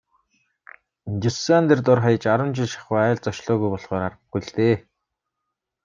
Дюссандер дор хаяж арван жил шахуу айлд зочлоогүй болохоор аргагүй л дээ.